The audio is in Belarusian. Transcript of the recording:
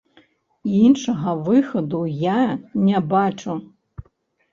Іншага выхаду я не бачу.